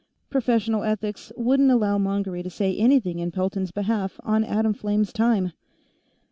Professional ethics wouldn't allow Mongery to say anything in Pelton's behalf on Atomflame's time.